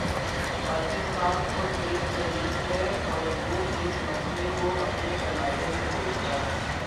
پاکستان خود ایک فریق ہے اور وہ اس مسئلے کو اپنے تناظر میں دیکھتا ہے۔